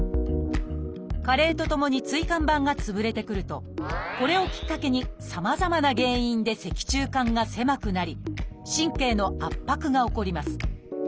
加齢とともに椎間板が潰れてくるとこれをきっかけにさまざまな原因で脊柱管が狭くなり神経の圧迫が起こります。